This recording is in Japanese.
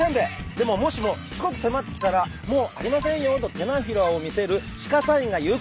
でももしもしつこく迫ってきたらもうありませんよと手のひらを見せる鹿サインが有効です。